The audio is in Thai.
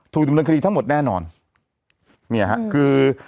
ถูกดำรวจคดีทั้งหมดแน่นอนเนี้ยฮะคือ